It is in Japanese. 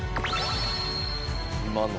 今の？